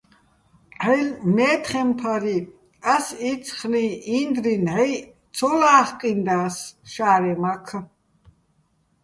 ჺაჲლ-მა́ჲთხემფარი, ას იცხრიჼ ინდრი ნჵაჲჸ ცო ლა́ხკინდას შა́რემაქ.